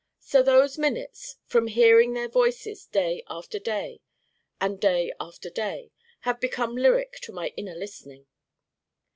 So those minutes, from hearing their Voices day after day, and day after day, have become lyric to my inner listening.